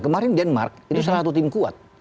kemarin denmark itu salah satu tim kuat